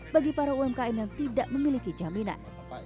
bagi para umkm yang tidak memiliki jaminan